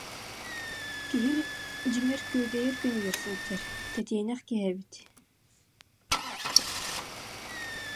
Киһим, дьиҥэр, күөгэйэр күнүгэр сылдьар, тэтиэнэх киһи эбит